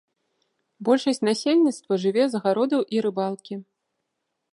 Большасць насельніцтва жыве з агародаў і рыбалкі.